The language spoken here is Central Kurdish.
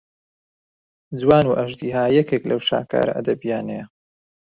جوان و ئەژدیها یەکێک لەو شاکارە ئەدەبیانەیە